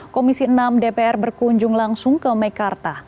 komisi enam dpr berkunjung langsung ke mekarta